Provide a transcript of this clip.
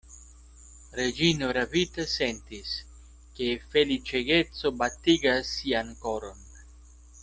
Reĝino ravita sentis, ke feliĉegeco batigas sian koron.